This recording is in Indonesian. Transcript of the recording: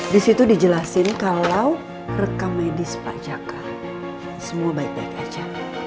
disitu dijelasin kalau rekam medis pak jakart semua baik baik aja